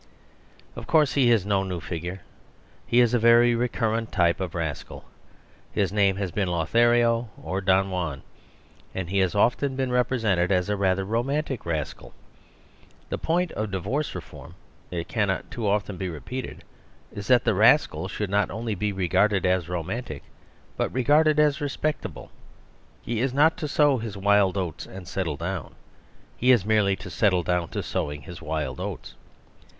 Of course, he is no new figure ; he is a very recurrent type of rascal; his name has been Lothario or Don Juan; and he has often been represented as a rather romantic rascal. The point of divorce reform, it can not be too often repeated, is that the rascal The Vista of Divorce 129 should not only be regarded as romantic, but regarded as respectable. He is not to sow his wild oats and settle down ; he is merely to set tle down to sowing his wild oats.